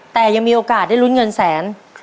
แต่ยังมีโอกาสได้ลุ้นเงินแสน